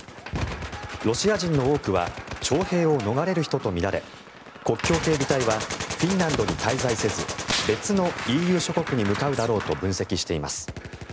ロシア人の多くは徴兵を逃れる人とみられ国境警備隊はフィンランドに滞在せず別のＥＵ諸国に向かうだろうと分析しています。